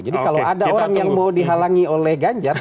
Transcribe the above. jadi kalau ada orang yang mau dihalangi oleh ganjar